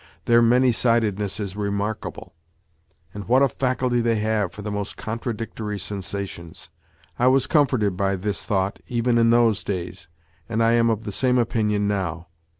Their many sidedness is remarkable ! And what a faculty they have for the most contradictory sensations ! I was comforted by this thought even in those days, and I am of the same opinion now.